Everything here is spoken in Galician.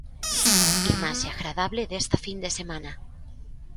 Imaxe agradable desta fin de semana.